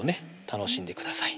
楽しんでください